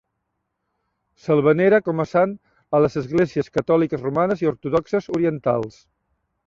S'el venera com a sant a les esglésies Catòliques Romanes i Ortodoxes Orientals.